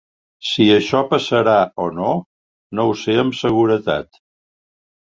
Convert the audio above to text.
Si això passarà o no, no ho sé amb seguretat.